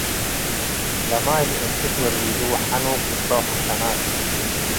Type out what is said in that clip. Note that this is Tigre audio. ለማይ ለእንቲ ትወሪዱ ሐኑክ ልግበእ ወሐሰናት